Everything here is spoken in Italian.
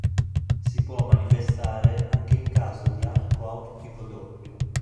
Si può manifestare anche in caso di arco aortico doppio.